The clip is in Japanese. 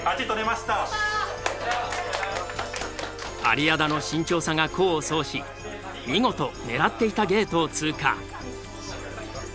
有屋田の慎重さが功を奏し見事狙っていたゲートを通過。